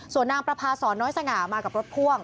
ส่วนนางประพาสอนน้อยสง่ามากับรถพ่วง